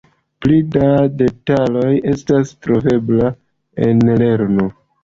Pli da detaloj estas troveblaj en lernu!